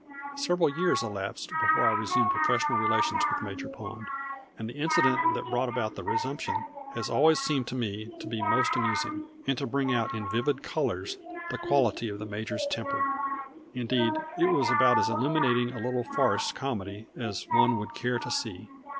Several years elapsed before I resumed professional relations with Major Pond, and the incident that brought about that resumption has always seemed to me to be most amusing, and to bring out in vivid colors the quality of the major's temper. Indeed it was about as illuminating a little farce comedy as one would care to see.